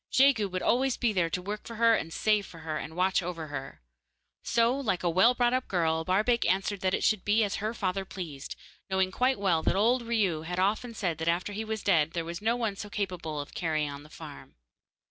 Jegu would always be there to work for her and save for her, and watch over her. So, like a well brought up girl, Barbaik answered that it should be as her father pleased, knowing quite well that old Riou had often said that after he was dead there was no one so capable of carrying on the farm.